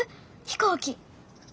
飛行機。